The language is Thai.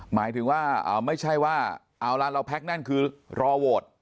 หมายถึงว่าไม่ใช่ว่าเอาล่ะเราแพ็คแน่นคือรอโหวต